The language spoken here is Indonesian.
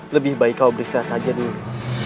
lebih baik kau beriksa saja dulu